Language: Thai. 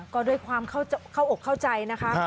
ก็ด้วยความเข้าอกเข้าใจนะคะ